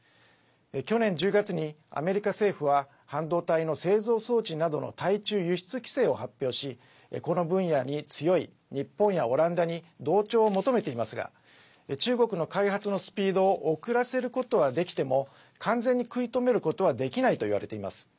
去年１０月にアメリカ政府は半導体の製造装置などの対中輸出規制を発表しこの分野に強い日本やオランダに同調を求めていますが中国の開発のスピードを遅らせることはできても完全に食い止めることはできないといわれています。